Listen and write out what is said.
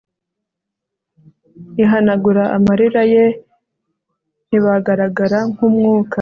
ihanagura amarira ye, ntibagaragara nkumwuka